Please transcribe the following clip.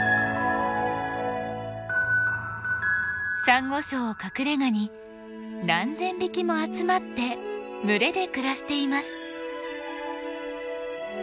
サンゴ礁を隠れがに何千匹も集まって群れで暮らしています。